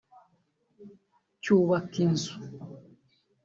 cyubaka inzu